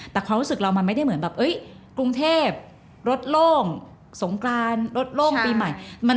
แต่ความรู้สึกเรามันไม่ได้เหมือนแบบกรุงเทพรถโล่งสงกรานรถโล่งปีใหม่